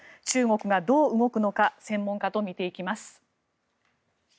中国がどう動くのか専門家と見ていきます。